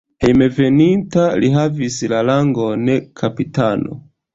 Hejmenveninta li havis la rangon kapitano.